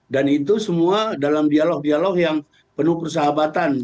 dan itu semua dalam dialog dialog yang penuh persahabatan